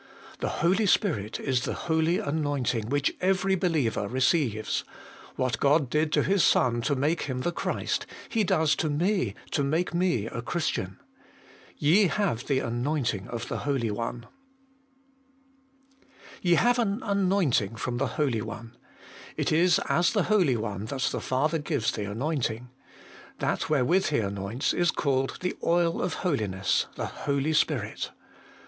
The Holy Spirit is the holy anointing which every believer receives : what God did to His Son to make Him the Christ, He does to me to make me a Christian. 'Ye have the anointing of the Holy One.' 1. Ye have an anointing from the Holy One. It 264 HOLY IN CHRIST. is as the Holy One that the Father gives the anointing : that wherewith He anoints is called the oil of holiness, the Holy Spirit.